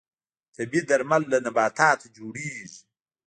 طبیعي درمل له نباتاتو جوړیږي